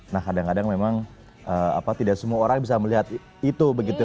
nah kadang kadang memang tidak semua orang bisa melihat itu begitu